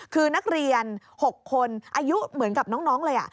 คือนักเรียน๖คนอายุเหมือนกับน้องเลย